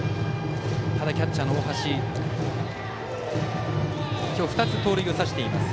ただ、キャッチャーの大橋は今日２つ盗塁を刺しています。